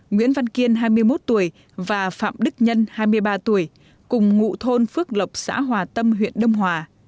nguyễn văn kiên hai mươi một tuổi và phạm đức nhân hai mươi ba tuổi cùng ngụ thôn phước lộc xã hòa tâm huyện đông hòa